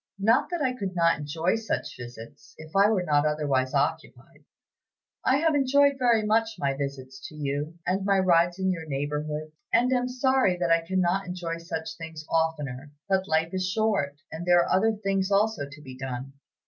Not that I could not enjoy such visits, if I were not otherwise occupied. I have enjoyed very much my visits to you, and my rides in your neighborhood, and am sorry that I cannot enjoy such things oftener; but life is short, and there are other things also to be done.